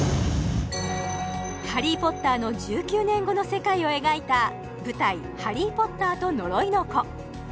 「ハリー・ポッター」の１９年後の世界を描いた舞台「ハリー・ポッターと呪いの子」